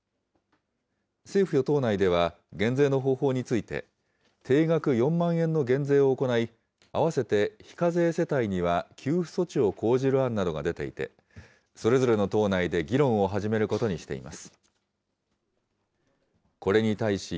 政府・与党内では、減税の方法について、定額４万円の減税を行い、合わせて非課税世帯には給付措置を講じる案などが出ていてそれぞれの党内で議論を始めることにしています。